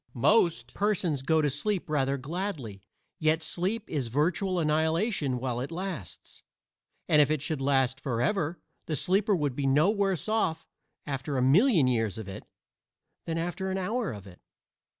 Most persons go to sleep rather gladly, yet sleep is virtual annihilation while it lasts; and if it should last forever the sleeper would be no worse off after a million years of it than after an hour of it.